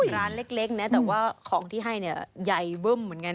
ร้านเล็กแต่ว่าของที่ให้ใหญ่เบิ้มเหมือนกันนะ